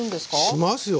しますよ！